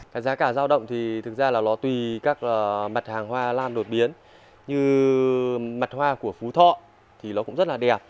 cái giá cả giao động thì thực ra là nó tùy các mặt hàng hoa lan đột biến như mặt hoa của phú thọ thì nó cũng rất là đẹp